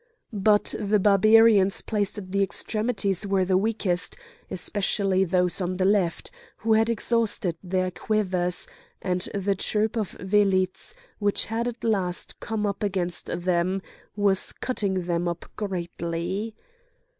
But the Barbarians placed at the extremities were the weakest, especially those on the left, who had exhausted their quivers, and the troop of velites, which had at last come up against them, was cutting them up greatly.